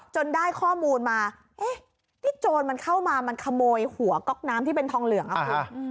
จนได้ข้อมูลมานี่โจรเข้ามามันขโมยหัวก๊อกน้ำที่เป็นทองเหลืองครับคุณ